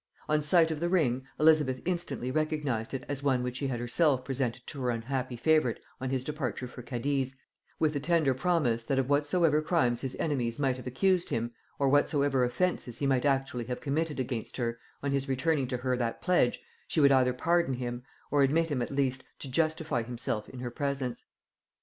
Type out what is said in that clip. On sight of the ring, Elizabeth instantly recognised it as one which she had herself presented to her unhappy favorite on his departure for Cadiz, with the tender promise, that of whatsoever crimes his enemies might have accused him, or whatsoever offences he might actually have committed against her, on his returning to her that pledge, she would either pardon him, or admit him at least to justify himself in her presence.